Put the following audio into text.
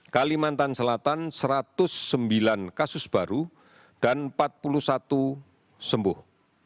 kalimantan selatan satu ratus sembilan kasus baru dan empat puluh satu sembuh